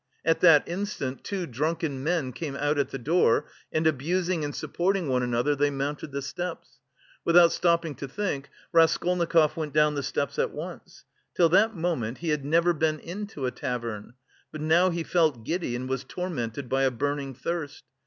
At that instant two drunken men came out at the door, and abusing and supporting one another, they mounted the steps. Without stopping to think, Raskolnikov went down the steps at once. Till that moment he had never been into a tavern, but now he felt giddy and was tormented by a burning thirst.